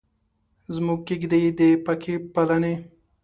زموږ کیږدۍ دې پکې پلنې.